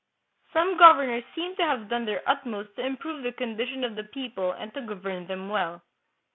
Some governors seem to have done their utmost to im prove the condition of the people and to govern them 1 Siicesos de las Filipinas, p.